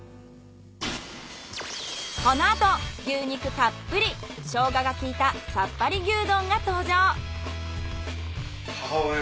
このあと牛肉たっぷりショウガが効いたさっぱり牛丼が登場。